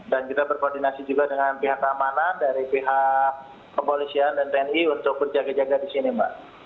dan kita berkoordinasi juga dengan pihak keamanan dari pihak kepolisian dan tni untuk berjaga jaga di sini mbak